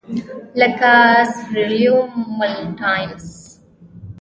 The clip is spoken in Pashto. لکه سپیریلوم ولټانس.